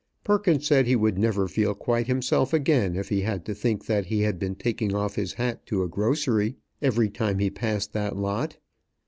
Perkins said he would never feel quite himself again if he had to think that he had been taking off his hat to a grocery every time he passed that lot.